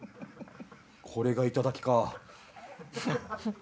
これが頂か。